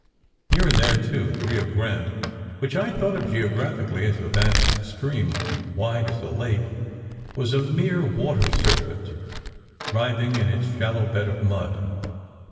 Here and there, too, the Rio Grande (which I d thought of geographically as a vast stream, wide as a lake) was a mere water serpent, writhing in its shallow bed of mud.